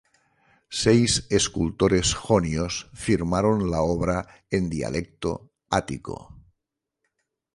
Seis escultores jonios firmaron la obra en dialecto ático.